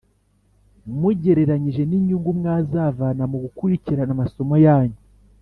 mugereranyije n’inyungu mwazavana mu gukurikirana amasomo yanyu.